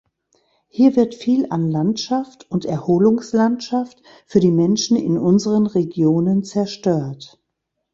Hier wird viel an Landschaft und Erholungslandschaft für die Menschen in unseren Regionen zerstört.